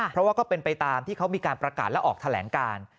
เพราะว่าก็เป็นไปตามที่เขามีการประกาศและออกแถลงการ